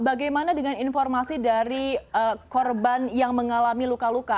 bagaimana dengan informasi dari korban yang mengalami luka luka